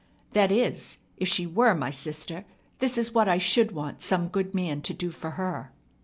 That is, if she were my sister, this is what I should want some good man to do for her."